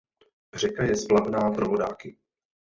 Řeka je splavná pro vodáky.